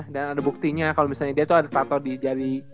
dan ada buktinya kalau misalnya dia tuh ada tato di jari